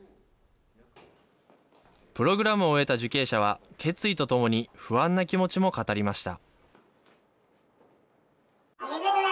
プログラムを終えた受刑者は、決意とともに不安な気持ちも語りました。